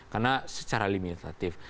karena secara limitatif